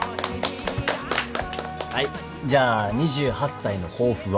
はいじゃあ２８歳の抱負は？